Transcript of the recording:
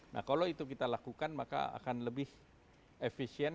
nah kalau itu kita lakukan maka akan lebih efisien